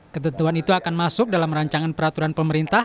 ketentuan itu akan masuk dalam rancangan peraturan pemerintah